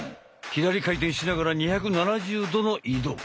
左回転しながら２７０度の移動。